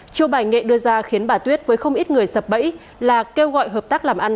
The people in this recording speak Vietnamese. chiêu bài nghệ đưa ra khiến bà tuyết với không ít người sập bẫy là kêu gọi hợp tác làm ăn